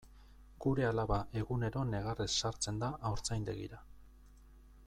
Gure alaba egunero negarrez sartzen da haurtzaindegira.